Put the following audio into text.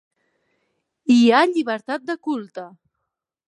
Hi ha llibertat de culte.